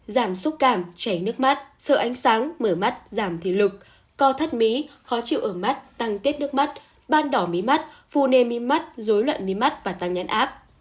giảm xúc cảm chảy nước mắt sợ ánh sáng mở mắt giảm thi lục co thất mí khó chịu ở mắt tăng tiết nước mắt ban đỏ mí mắt phù nề mí mắt dối loạn mí mắt và tăng nhãn áp